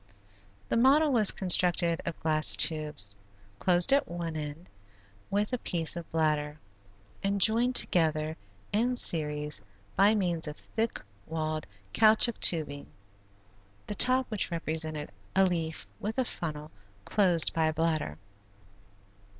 The model was constructed of glass tubes, closed at one end with a piece of bladder, and joined together in series by means of thick walled caoutchouc tubing; the top which represented a leaf was a funnel closed by a bladder.